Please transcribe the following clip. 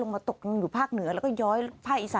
ค่ะคือเมื่อวานี้ค่ะ